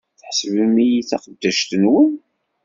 Tḥesbem-iyi d taqeddact-nwen?